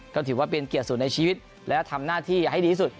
ก็ถือว่าเป็นเกียรติสุดในชีวิตและทำหน้าที่ให้ดีที่สุด